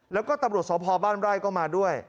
แล้วก็ตำรวจสพบ้านไร่ก็มาด้วย